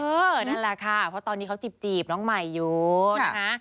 นั่นแหละค่ะเพราะตอนนี้เขาจีบน้องใหม่อยู่นะคะ